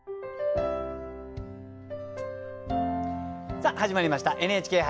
さあ始まりました「ＮＨＫ俳句」。